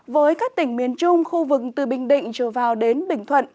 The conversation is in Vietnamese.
với các tỉnh miền trung khu vực từ bình định trở vào đến bình thuận